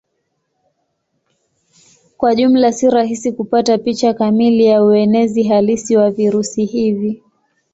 Kwa jumla si rahisi kupata picha kamili ya uenezi halisi wa virusi hivi.